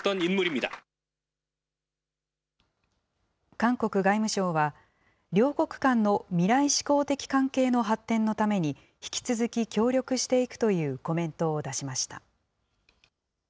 韓国外務省は、両国間の未来志向的関係の発展のために引き続き、協力していくというコメントを出しました。